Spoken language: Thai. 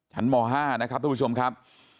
ม๕นะครับทุกผู้ชมครับ